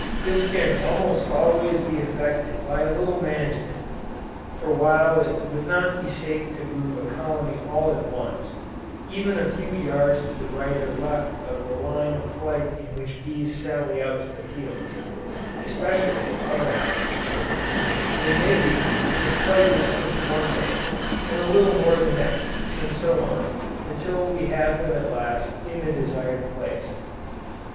This can almost always be effected by a little management, for while it would not be safe to move a colony all at once, even a few yards to the right or left of the line of flight in which the bees sally out to the fields, (especially if other hives are near,) they may be moved a slight distance one day, and a little more the next, and so on, until we have them at last in the desired place.